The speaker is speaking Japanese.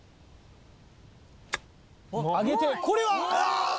上げてこれはあ！